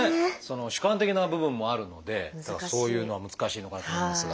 主観的な部分もあるのでそういうのは難しいのかなと思いますが。